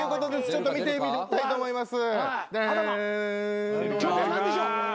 ちょっと見てみたいと思います。